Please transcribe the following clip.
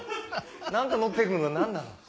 何か乗って来るの何なん？